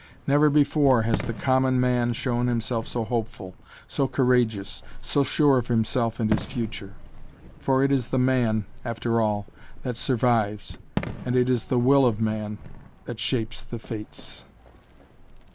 Never before has the common man shown himself so hopeful, so courageous, so sure of himself and his future. For it is the man, after all, that survives and it is the will of man that shapes the fates.